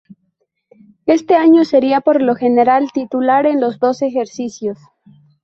Este año sería por lo general titular en los dos ejercicios.